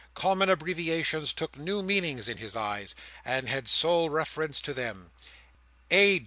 Common abbreviations took new meanings in his eyes, and had sole reference to them. A.